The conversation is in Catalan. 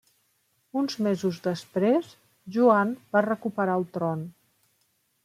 Uns mesos després Joan va recuperar el tron.